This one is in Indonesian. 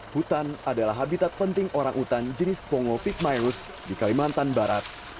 hutan adalah habitat penting orang hutan jenis pongo pigmaes di kalimantan barat